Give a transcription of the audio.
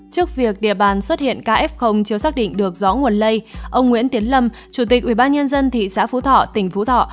trước việc địa bàn xuất hiện ca f chưa xác định được rõ nguồn lây ông nguyễn tiến lâm chủ tịch ubnd thị xã phú thọ tỉnh phú thọ